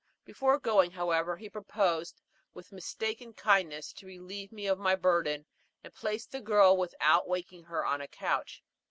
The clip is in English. Before going, however, he proposed, with mistaken kindness, to relieve me of my burden, and place the girl without waking her on a couch.